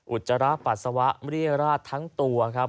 อุจจาระปัสสาวะเรียราชทั้งตัวครับ